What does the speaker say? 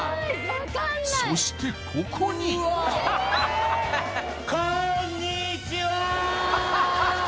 そしてここにこんにちは！